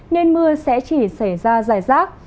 nên mưa sẽ chỉ xảy ra dài rác